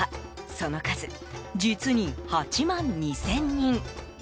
その数、実に８万２０００人。